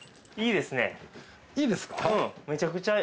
いいですか？